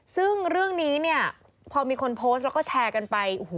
ซึ่งเรื่องนี้เนี่ยพอมีคนโพสต์แล้วก็แชร์กันไป